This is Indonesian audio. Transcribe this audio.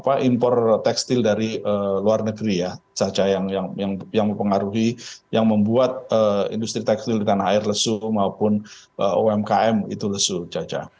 apa impor tekstil dari luar negeri ya caca yang mempengaruhi yang membuat industri tekstil di tanah air lesu maupun umkm itu lesu caca